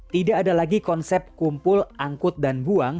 tidak ada lagi konsep kumpul angkut dan buang